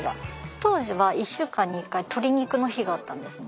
当時は１週間に１回鶏肉の日があったんですね。